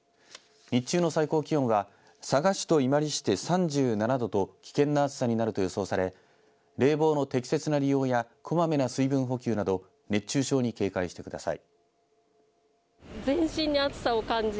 日中の最高気温は佐賀市と伊万里市で３７度と危険な暑さになると予想され冷房の適切な利用やこまめな水分補給など熱中症に警戒してください。